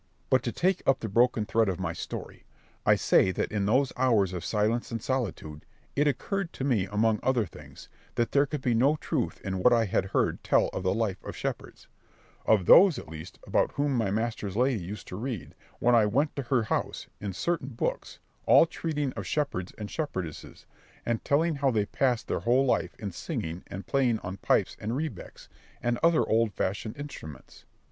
But to take up the broken thread of my story, I say that in those hours of silence and solitude, it occurred to me among other things, that there could be no truth in what I had heard tell of the life of shepherds—of those, at least, about whom my master's lady used to read, when I went to her house, in certain books, all treating of shepherds and shepherdesses; and telling how they passed their whole life in singing and playing on pipes and rebecks, and other old fashioned instruments.